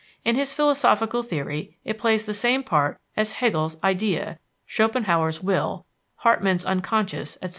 In his philosophical theory it plays the same part as Hegel's Idea, Schopenhauer's Will, Hartmann's Unconscious, etc.